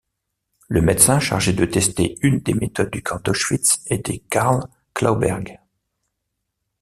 Le médecin chargé de tester une des méthodes au camp d'Auschwitz était Carl Clauberg.